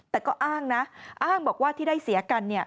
แต่ก็อ้างนะอ้างบอกว่าที่ได้เสียกัน